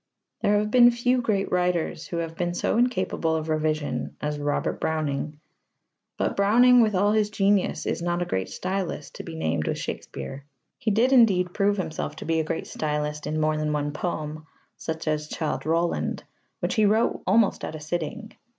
There have been few great writers who have been so incapable of revision as Robert Browning, but Browning with all his genius is not a great stylist to be named with Shakespeare. He did indeed prove himself to be a great stylist in more than one poem, such as Childe Roland which he wrote almost at a sitting.